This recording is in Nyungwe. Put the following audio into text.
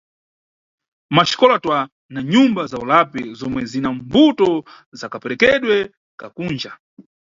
Maxikola twa na Nyumba za ulapi zomwe zina mbuto za kaperekedwe ka Kunja.